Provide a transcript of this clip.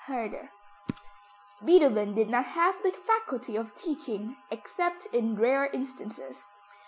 HERDER. Beethoven did not have the faculty of teaching except in rare instances.